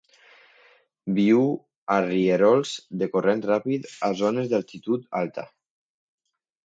Viu a rierols de corrent ràpid a zones d'altitud alta.